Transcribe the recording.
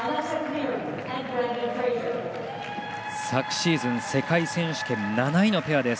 昨シーズン世界選手権７位のペア。